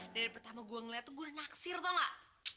dari pertama gue ngeliat tuh gue naksir tau gak